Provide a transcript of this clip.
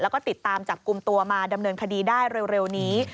แล้วก็ติดตามจับกลุ่มตัวมาดำเนินคดีได้เร็วนี้